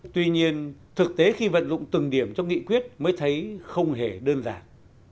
tuy nhiên thực tế khi vận dụng từng điểm trong nghị quyết mới thấy không hề đơn giản